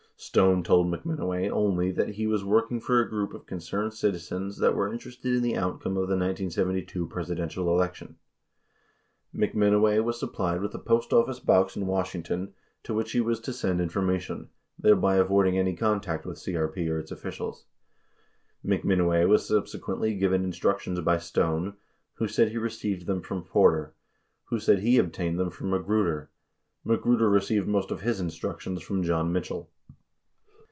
Stone told McMinoway only that "he was working for a group of concerned citizens that were interested in the outcome of the 1972 Presidential election." 68 McMi oway was supplied with a post office box in Washington to which he was to send information, thereby avoiding any contact with CRP or its officials. 69 McMinoway was subsequently given instructions by Stone, who said he received them from Porter, who said he obtained them from Magruder." Magruder received most of his instructions from John Mitchell.